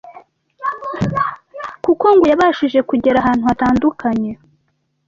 kuko ngo yabashije kugera ahantu hatandukanye